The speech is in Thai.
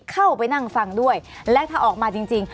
เข้าไปนั่งฟังด้วยและถ้าออกมาจริง